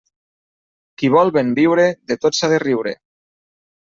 Qui vol ben viure, de tot s'ha de riure.